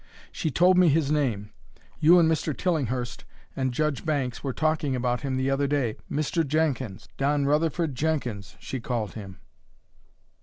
She told me his name you and Mr. Tillinghurst and Judge Banks were talking about him the other day Mr. Jenkins Don Rutherford Jenkins, she called him."